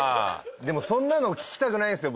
でもそんなの聞きたくないんですよ